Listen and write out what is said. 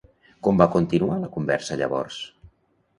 Com va continuar la conversa llavors?